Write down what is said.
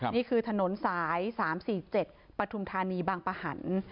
นี่คือถนนสาย๓๔๗ปฐุมธานีบางปะหัน